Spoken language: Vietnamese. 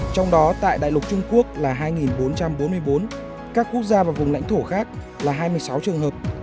trong đó tại đại lục trung quốc là hai bốn trăm bốn mươi bốn các quốc gia và vùng lãnh thổ khác là hai mươi sáu trường hợp